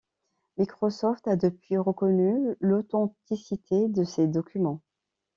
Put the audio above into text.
Microsoft a depuis reconnu l'authenticité de ces documents.